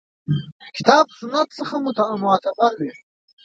کتاب سنت څخه معتبر وي.